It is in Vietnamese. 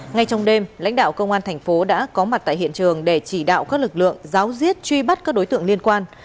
ngay trong đêm lãnh đạo công an thành phố đã có mặt tại hiện trường để chỉ đạo các lực lượng giáo diết truy bắt các đối tượng liên quan